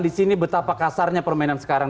di sini betapa kasarnya permainan sekarang